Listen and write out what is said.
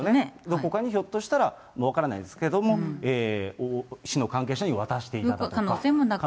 ほかにひょっとしたら、分からないですけれども、市の関係者に渡していた可能性も。